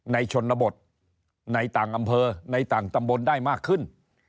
ชนบทในต่างอำเภอในต่างตำบลได้มากขึ้น